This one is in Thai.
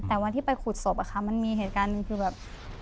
แต่วันที่ไปขุดศพอะค่ะมันมีเหตุการณ์หนึ่งคือแบบ